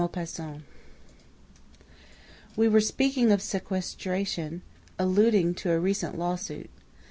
Charles Sommer. We were speaking of sequestration, alluding to a recent lawsuit.